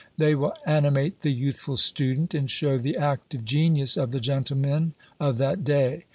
They will animate the youthful student, and show the active genius of the gentlemen of that day.